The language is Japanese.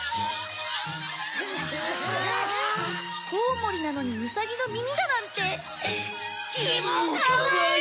コウモリなのにウサギの耳だなんて。キモかわいい！